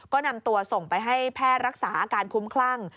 ก็นำตัวส่งไปให้แพทย์รักษาอาการคุ้มคลั่ง